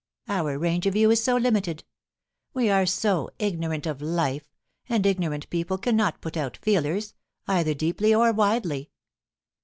Our range of view is so limited. We are so ignorant of life, and ignorant people cannot put out feelers, either deeply or widely.'